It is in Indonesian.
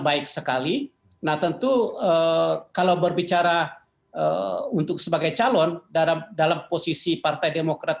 baik sekali nah tentu kalau berbicara untuk sebagai calon dalam dalam posisi partai demokrat